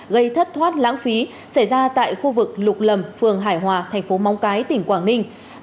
gây thất thoát lãng phí xảy ra tại khu vực lục lầm phường hải hòa thành phố móng cái tỉnh quảng ninh